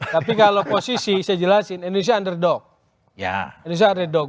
tapi kalau posisi saya jelasin indonesia underdog